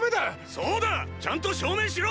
そうだちゃんと証明しろ！！